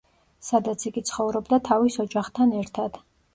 სადაც იგი ცხოვრობდა თავის ოჯახთან ერთად.